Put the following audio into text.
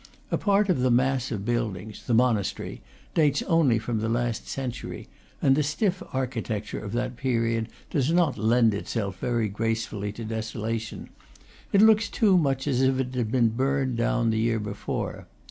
A part of the mass of buildings (the monastery) dates only from the last century; and the stiff architecture of that period does not lend itself very gracefully to desolation: it looks too much as if it had been burnt down the year before.